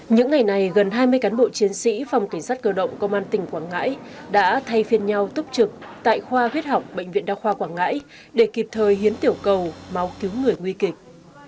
những ngày này gần hai mươi cán bộ chiến sĩ phòng cảnh sát cơ động công an tỉnh quảng ngãi đã thay phiên nhau túc trực tại khoa huyết học bệnh viện đa khoa quảng ngãi để kịp thời hiến tiểu cầu máu cứu người nguy kịch